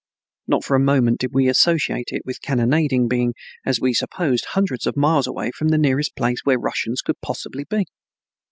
Not for a moment did we associate it with cannonading, being, as we supposed, hundreds of miles away from the nearest place where Russians could possibly be.